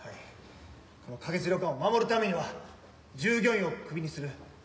この花月旅館を守るためには従業員をクビにする。